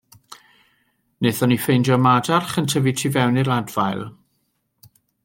Nathon ni ffendio madarch yn tyfu tu fewn i'r adfail.